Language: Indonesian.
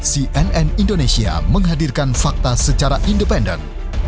cnn indonesia menghadirkan fakta secara independen